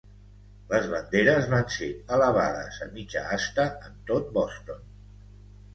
Les banderes van ser elevades a mitja asta en tot Boston.